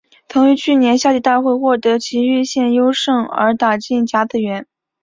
曾于去年夏季大会获得崎玉县优胜而打进甲子园。